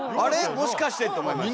もしかして」と思いました。